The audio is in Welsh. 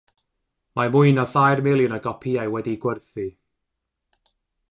Mae mwy na thair miliwn o gopïau wedi'u gwerthu.